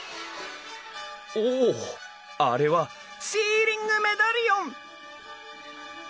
おあれはシーリングメダリオン！